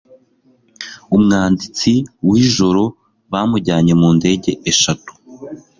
Umwanditsi wijoro yamujyanye mu ndege eshatu